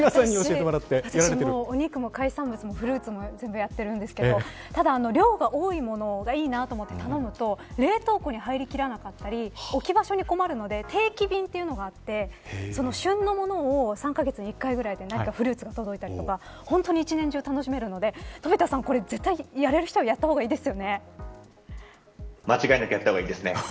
私、お肉も海産物もフルーツも全部やってるんですけどただ、量が多いものがいいなど思って頼むと冷凍庫に入りきらなかったり置き場所に困るので定期便というのがあって旬のものを３カ月に１回ぐらいでフルーツが届いた本当に１年中楽しめるので飛田さん、これ絶対やれる人はや間違いなくやった方がいいですね。